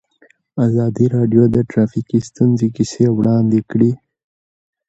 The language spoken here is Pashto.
ازادي راډیو د ټرافیکي ستونزې کیسې وړاندې کړي.